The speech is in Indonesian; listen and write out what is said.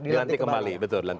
dilantik kembali betul